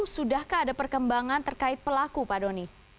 sudahkah ada perkembangan terkait pelaku pak doni